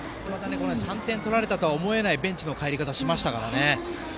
３点取られたとは思えないベンチの帰り方をしましたから。